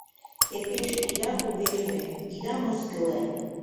Те пеш ида кугешне, ида мыскыле.